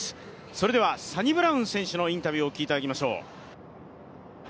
それではサニブラウン選手のインタビューをお聞きいただきましょう。